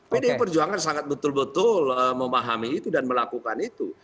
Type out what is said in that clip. pdi perjuangan sangat betul betul memahami itu dan melakukan itu